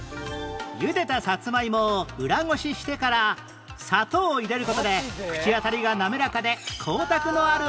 茹でたサツマイモを裏ごししてから砂糖を入れる事で口当たりがなめらかで光沢のある餡になります